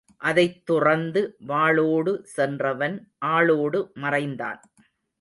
அதைத் துறந்து வாளோடு சென்றவன் ஆளோடு மறைந்தான்.